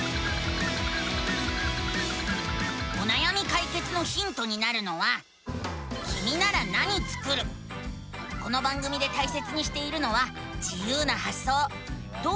おなやみかいけつのヒントになるのはこの番組でたいせつにしているのは自ゆうなはっそう。